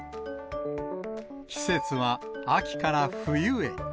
季節は秋から冬へ。